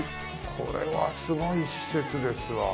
これはすごい施設ですわ。